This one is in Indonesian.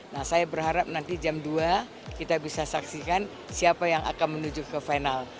nah saya berharap nanti jam dua kita bisa saksikan siapa yang akan menuju ke final